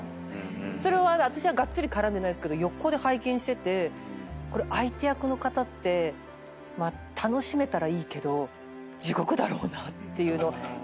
それを私はがっつり絡んでないけど横で拝見しててこれ相手役の方ってまあ楽しめたらいいけど地獄だろうなっていうのを。